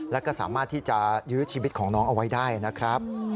แล้วก็สามารถที่จะยื้อชีวิตของน้องเอาไว้ได้นะครับ